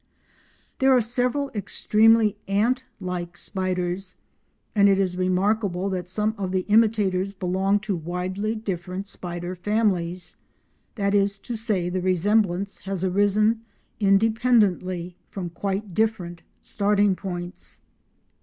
There are several extremely ant like spiders, and it is remarkable that some of the imitators belong to widely different spider families:—that is to say the resemblance has arisen independently from quite different starting points.